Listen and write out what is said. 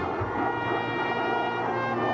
โรงพยาบาลวิทยาศาสตรี